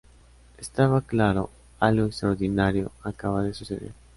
Estaba claro: algo extraordinario acaba de suceder.